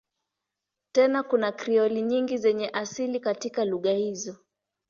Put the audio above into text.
Tena kuna Krioli nyingi zenye asili katika lugha hizo.